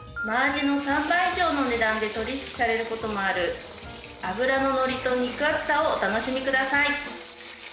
真アジの３倍以上の値段で取引されることもある脂ののりと肉厚さをお楽しみください。